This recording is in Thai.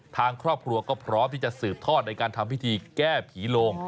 ทางครอบครัวก็พร้อมที่จะสืบทอดในการทำพิธีแก้ผีโลง